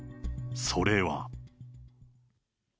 それは。